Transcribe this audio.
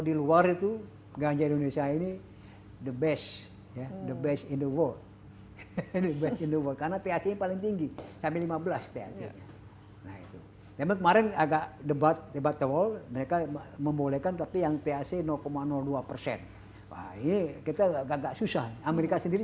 di luar itu ganja indonesia ini the best the best in the world karena tersebut paling tinggi sampai